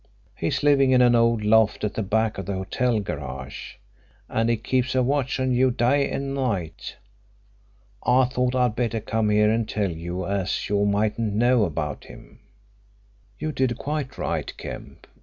He's living in an old loft at the back of the hotel garage, and he keeps a watch on you day and night. I thought I'd better come here and tell you, as you mightn't know about him." "You did quite right, Kemp.